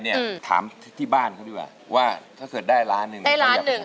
เนี้ยอืมถามที่บ้านเขาดีกว่าว่าถ้าเกิดได้ล้านหนึ่งได้ล้านหนึ่ง